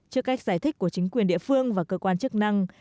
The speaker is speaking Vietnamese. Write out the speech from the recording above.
trước cách giải thích của chính quyền địa phương và cơ quan chức năng